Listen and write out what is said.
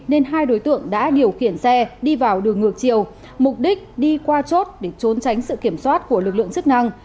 nên hai đối tượng đã điều khiển xe đi vào đường ngược chiều mục đích đi qua chốt để trốn tránh sự kiểm soát của lực lượng chức năng